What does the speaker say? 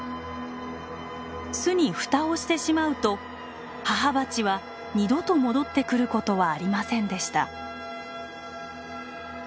巣に蓋をしてしまうと母バチは二度と戻ってくることはありませんでした。